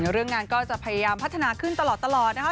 เรื่องงานก็จะพยายามพัฒนาขึ้นตลอดนะคะ